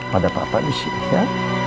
pada papa disini ya